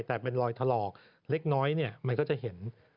แต่เป็นรอยถลอกเล็กน้อยมันก็จะเห็น